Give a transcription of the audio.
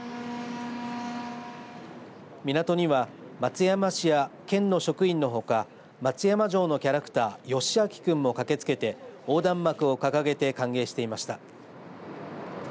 港には、松山市や県の職員のほか松山城のキャラクターよしあきくんも駆けつけて横断幕を掲げて歓迎していました。